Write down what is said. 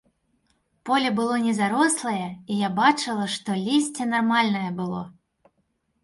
Поле было не зарослае, і я бачыла, што лісце нармальнае было.